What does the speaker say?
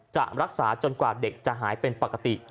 จะรักษาจนกว่าเด็กจะหายเป็นปกติ